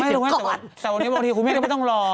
ไม่เรียกแต่วันนี้บางทีคุณแม้เราไม่ต้องรอ